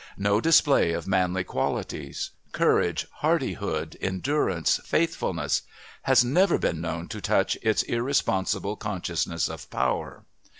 No display of manly qualities courage, hardihood, endurance, faithfulness has ever been known to touch its irresponsible consciousness of power.